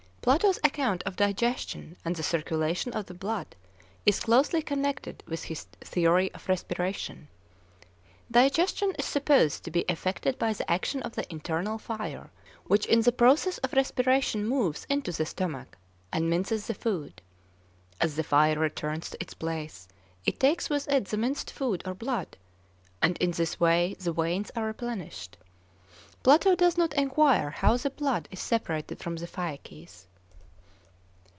Plato's account of digestion and the circulation of the blood is closely connected with his theory of respiration. Digestion is supposed to be effected by the action of the internal fire, which in the process of respiration moves into the stomach and minces the food. As the fire returns to its place, it takes with it the minced food or blood; and in this way the veins are replenished. Plato does not enquire how the blood is separated from the faeces.